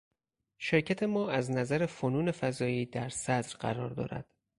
شرکت ما از نظر فنون فضایی در صدر قرار دارد.